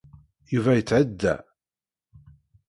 Yuba yetɛedda.